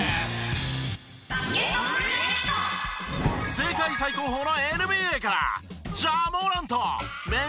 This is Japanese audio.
世界最高峰のＮＢＡから。